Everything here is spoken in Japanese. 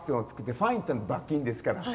ファインっていうのは罰金です。